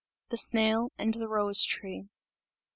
The Snail and the Rose Tree.